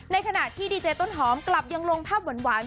ในขณะที่ดีเจต้นหอมกลับยังลงภาพหวาน